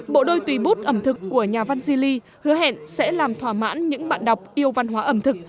bộ đôi tùy bút ẩm thực của nhà văn zili hứa hẹn sẽ làm thỏa mãn những bạn đọc yêu văn hóa ẩm thực